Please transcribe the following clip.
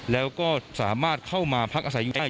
แล้วก็สามารถเข้ามาพักอาศัยอยู่ได้